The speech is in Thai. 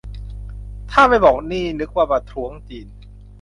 ถ้าไม่บอกนี่นึกว่าประท้วงจีน